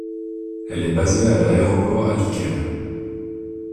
Elle est basée à l'aéroport Alykel.